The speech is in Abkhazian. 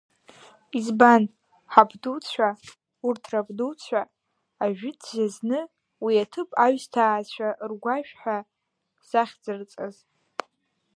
Избан, ҳабдуцәа, урҭ рабдуцәа ажәытәӡа зны уи аҭыԥ аҩсҭаацәа ргәашә ҳәа захьӡырҵаз?